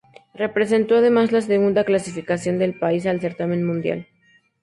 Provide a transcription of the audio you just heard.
Representó además la segunda clasificación del país al certamen mundial.